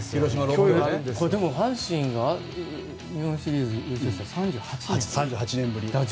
これ、阪神が日本シリーズ優勝したら３８年ぶりですか。